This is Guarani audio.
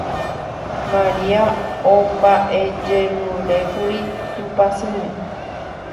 Maria omba'ejerurékuri Tupãsýme.